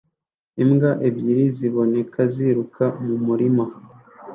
imbwa ebyiri ziboneka ziruka mu murima